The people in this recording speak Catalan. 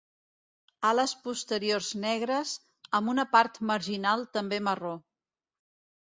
Ales posteriors negres amb una part marginal també marró.